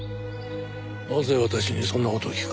なぜ私にそんな事を聞く？